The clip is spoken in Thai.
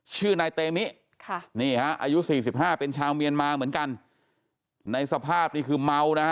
ชื่อนายเตมิค่ะนี่ฮะอายุสี่สิบห้าเป็นชาวเมียนมาเหมือนกันในสภาพนี่คือเมานะฮะ